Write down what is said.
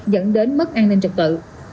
dẫn đến mức an ninh trật tự